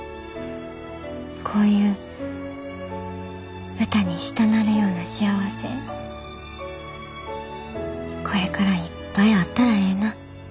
こういう歌にしたなるような幸せこれからいっぱいあったらええな。